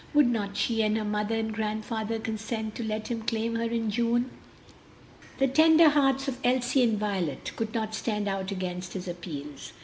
Would not she and her mother and grandfather consent to let him claim her in June? The tender hearts of Elsie and Violet could not stand out against his appeals. Mr.